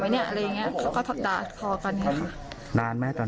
พอเสร็จแล้วเขาก็ว่ากันทะเลาะกัน